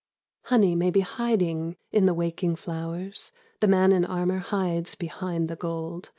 Honey may be hiding in the waking flowers ; The man in armour hides behind the gold.